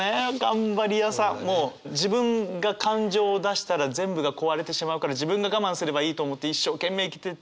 もう自分が感情を出したら全部が壊れてしまうから自分が我慢すればいいと思って一生懸命生きてて。